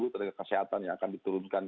seribu ternyata kesehatan yang akan diturunkan